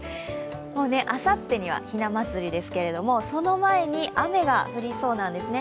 あさってには、ひなまつりですけれども、その前に、雨が降りそうなんですね。